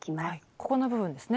ここの部分ですね。